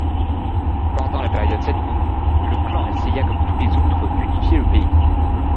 Pendant la période Sengoku, le clan essaya comme tous les autres d'unifier le pays.